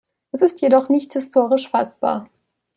Es ist jedoch nicht historisch fassbar.